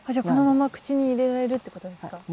このまま口に入れられるってことですか？